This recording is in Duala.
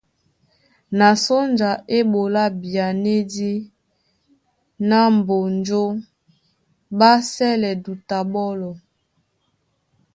Na sónja é ɓolá byanédí ná Mbonjó ɓá sɛ́lɛ duta ɓɔ́lɔ.